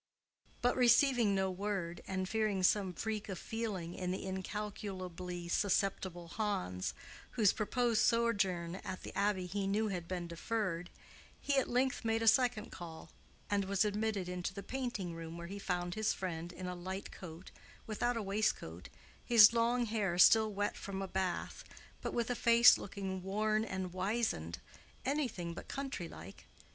But receiving no word, and fearing some freak of feeling in the incalculably susceptible Hans, whose proposed sojourn at the Abbey he knew had been deferred, he at length made a second call, and was admitted into the painting room, where he found his friend in a light coat, without a waistcoat, his long hair still wet from a bath, but with a face looking worn and wizened—anything but country like.